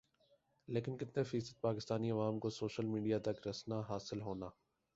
لیکن کِتنا فیصد پاکستانی عوام کو سوشل میڈیا تک رسنا حاصل ہونا